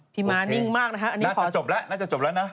พี่มามหนึกมากนะคะอันนี้ขอจะน่าจะจบแล้วแล้ว